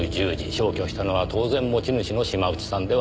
消去したのは当然持ち主の島内さんではありません。